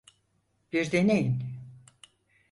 Bir deneyin.